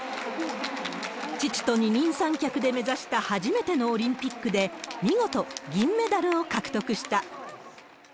父と二人三脚で目指した初めてのオリンピックで、見事、銀メダルを獲得した。